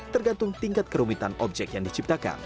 tergantung tingkat kerumitan objek yang diciptakan